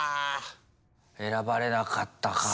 選ばれなかったかぁ。